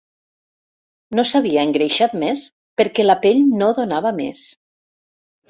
No s'havia engreixat més, perquè la pell no donava més